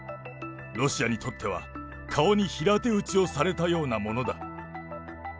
ロシアにとっては、顔に平手打ちをされたようなものだ。